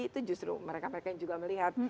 itu justru mereka mereka yang juga melihat